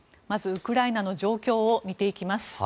まずウクライナの状況を見ていきます。